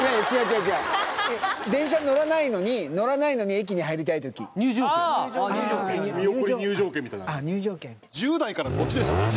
違う違う電車に乗らないのに乗らないのに駅に入りたい時ああ入場ああ入場券入場券みたいな１０代からこっちでしたもんね